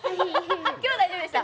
今日は大丈夫でした？